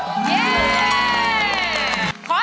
ถูกครับ